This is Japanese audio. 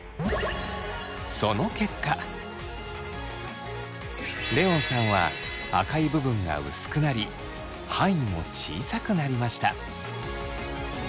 その結果レオンさんは赤い部分が薄くなり範囲も小さくなりました。